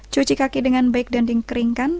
cuci kaki dengan baik dan dikeringkan